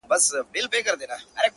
• زما یقین دی خدای ته نه دی د منلو -